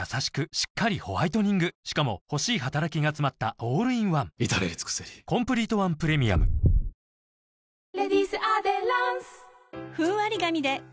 しっかりホワイトニングしかも欲しい働きがつまったオールインワン至れり尽せりＷＢＣ、盛り上がりましたが。